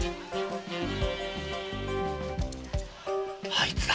あいつだ。